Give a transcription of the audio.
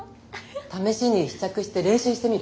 試しに試着して練習してみる？